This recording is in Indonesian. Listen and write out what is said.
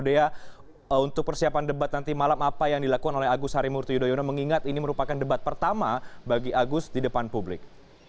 dea untuk persiapan debat nanti malam apa yang dilakukan oleh agus harimurti yudhoyono mengingat ini merupakan debat pertama bagi agus di depan publik